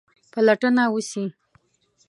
پلټنه وسي.